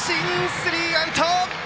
スリーアウト！